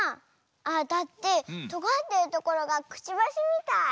あだってとがってるところがくちばしみたい。